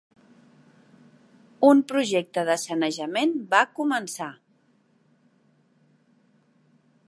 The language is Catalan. Un projecte de sanejament va començar.